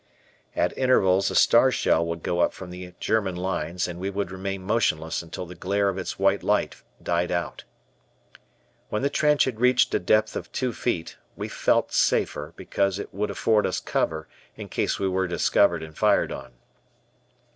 At intervals a star shell would go up from the German lines and we would remain motionless until the glare of its white light died out. When the trench had reached a depth of two feet, we felt safer, because it would afford us cover in case we were discovered and fired on.